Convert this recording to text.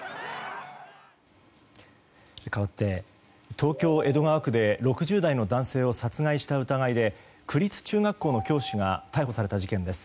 かわって東京・江戸川区で６０代の男性を殺害した疑いで区立中学校の教師が逮捕された事件です。